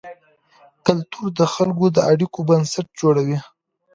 کلتور د خلکو د اړیکو بنسټ جوړوي.